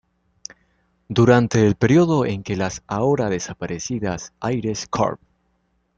Durante el periodo en que la ahora desaparecida Ayres Corp.